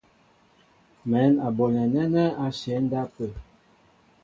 Mɛ̌n a bonɛ nɛ́nɛ́ á shyɛ̌ á ndápə̂.